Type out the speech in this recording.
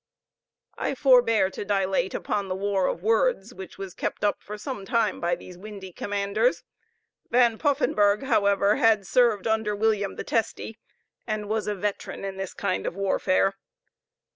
I forbear to dilate upon the war of words which was kept up for some time by these windy commanders; Van Poffenburgh, however, had served under William the Testy, and was a veteran in this kind of warfare.